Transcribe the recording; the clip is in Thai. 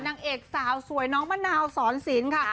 นางเอกสาวสวยน้องมะนาวสอนศิลป์ค่ะ